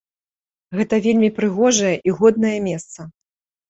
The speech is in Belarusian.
Гэта вельмі прыгожае і годнае месца.